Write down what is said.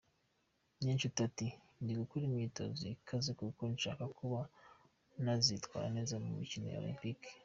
Niyonshuti ati :“Ndi gukora imyitozo ikaze kuko nshaka kuba nazitwara neza mu mikino olempike.